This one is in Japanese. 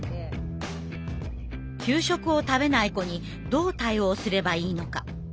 給食を食べない子にどう対応すればいいのか。